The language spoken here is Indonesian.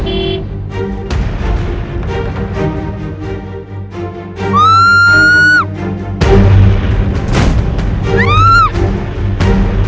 tapi jika kalian tadi saling bergantung l ali sebifa